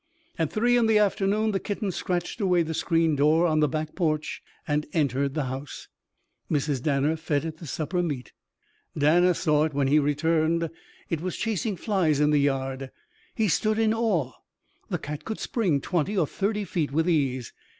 At three in the afternoon the kitten scratched away the screen door on the back porch and entered the house. Mrs. Danner fed it the supper meat. Danner saw it when he returned. It was chasing flies in the yard. He stood in awe. The cat could spring twenty or thirty feet with ease.